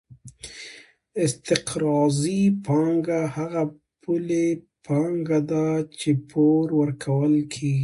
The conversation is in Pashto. استقراضي پانګه هغه پولي پانګه ده چې پور ورکول کېږي